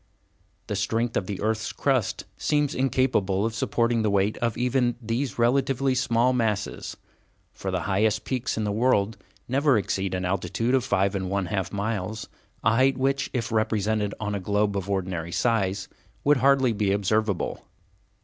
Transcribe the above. The strength of the earth's crust seems incapable of supporting the weight of even these relatively small masses, for the highest peaks in the world never exceed an altitude of five and one half miles, a height which, if represented on a globe of ordinary size, would hardly be observable.